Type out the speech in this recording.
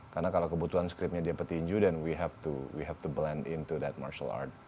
karena kalau kebutuhan scriptnya dia petinju then we have to blend into that martial art